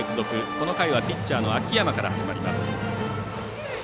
この回はピッチャーの秋山から始まります。